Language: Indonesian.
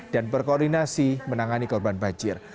dan berkoordinasi menangani korban banjir